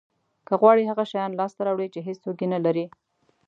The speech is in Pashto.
که غواړی هغه شیان لاسته راوړی چې هیڅوک یې نه لري